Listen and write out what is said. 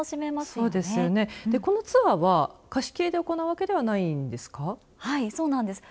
このツアーは貸し切りで行うわけではないんですか。